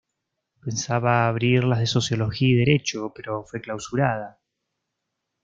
Pensaba abrir las de Sociología y Derecho, pero fue clausurada.